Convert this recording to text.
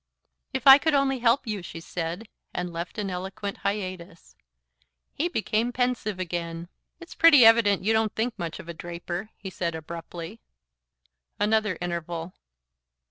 "If I could only help you," she said, and left an eloquent hiatus. He became pensive again. "It's pretty evident you don't think much of a draper," he said abruptly. Another interval.